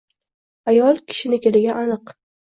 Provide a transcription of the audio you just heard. Ayol kishinikiligi aniq